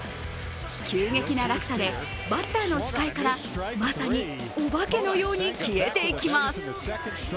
急激な落差でバッターの視界からまさにお化けのように消えていきます。